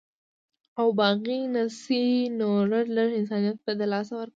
او باغي نسي نو لږ، لږ انسانيت به د لاسه ورکړي